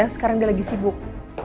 sekarang dia lagi sibuk